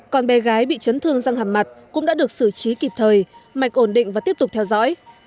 còn bé gái bị chấn thương răng hàm mặt cũng đã được xử trí kịp thời mạch ổn định và tiếp tục theo dõi